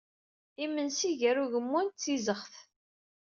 Imensi gar Ugemmun d Tizeɣt.